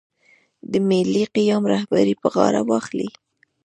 د ملي قیام رهبري پر غاړه واخلي.